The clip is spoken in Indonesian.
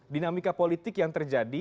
dinamika politik yang terjadi